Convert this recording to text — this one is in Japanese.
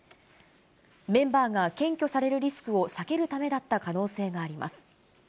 メンバーが検挙されるリスクを避けるためだった可能性があります。